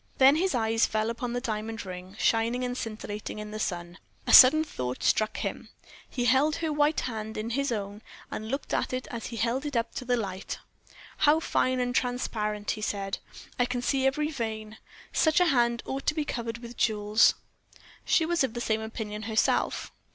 Then his eyes fell upon the diamond ring, shining and scintillating in the sun. A sudden thought struck him: he held her white hand in his own, and looked at it as he held it up to the light. "How fine and transparent," he said. "I can see every vein. Such a hand ought to be covered with jewels." She was of the same opinion herself.